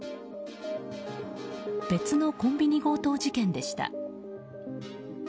別のコンビニ強盗事件でした。